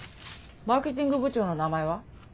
マーケティング部長の名前は？